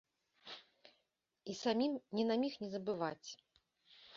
І самім ні на міг не забываць.